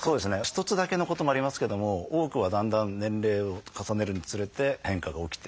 一つだけのこともありますけども多くはだんだん年齢を重ねるにつれて変化が起きて。